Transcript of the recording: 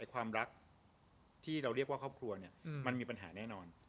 ความรักที่เราเรียกว่าครอบครัวมันมีปัญหาแน่นอน